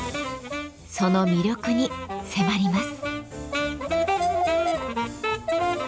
その魅力に迫ります。